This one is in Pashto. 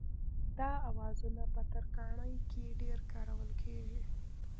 دا اوزارونه په ترکاڼۍ کې ډېر کارول کېږي.